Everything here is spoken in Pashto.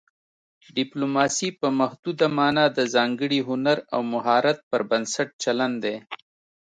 ډیپلوماسي په محدوده مانا د ځانګړي هنر او مهارت پر بنسټ چلند دی